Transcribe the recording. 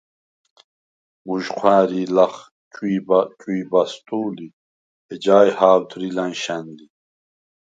მუჟჴვა̄̈რი̄ლ ლახ “ჭვი̄ბა-ჭვი̄ბას” ტუ̄ლი, ეჯაი ჰა̄ვდრი ლა̈ნშა̈ნ ლი.